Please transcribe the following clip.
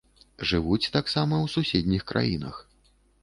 Жывуць таксама ў суседніх краінах.